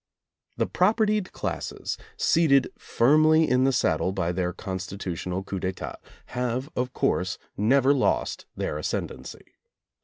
The propertied classes, seated firmly in the sad dle by their Constitutional coup d'etat, have, of course, never lost their ascendancy.